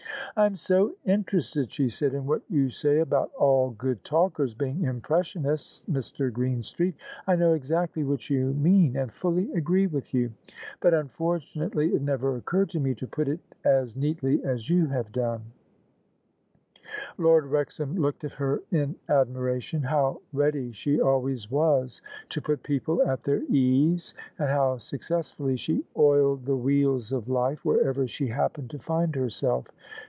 " I am so interested," she said, " in what you say about all good talkers being impressionists, Mr. Greenstreet. I know exactly what you mean, and fully agree with you; but imfortunately it never occurred to me to put it as neatly as you have done." OF ISABEL CARNABY Lord Wrexham looked at her in admiration. How ready she always was to put people at their ease, and how success fully she oiled the wheels of life wherever she happened to find herself.